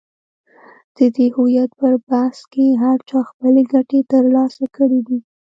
د دې هویت پر بحث کې هر چا خپلې ګټې تر لاسه کړې دي.